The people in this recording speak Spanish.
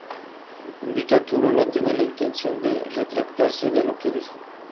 Indica que uno no tiene la intención de retractarse de lo que dijo.